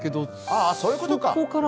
ああ、そういうことか。